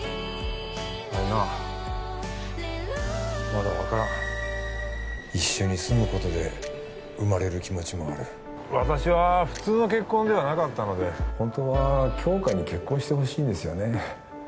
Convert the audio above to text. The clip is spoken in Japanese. あのなまだ分からん一緒に住むことで生まれる気持ちもある私は普通の結婚ではなかったので本当は杏花に結婚してほしいんですよね